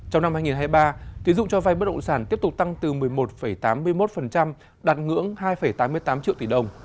trong năm hai nghìn hai mươi ba tiến dụng cho vay bất động sản tiếp tục tăng từ một mươi một tám mươi một đạt ngưỡng hai tám mươi tám triệu tỷ đồng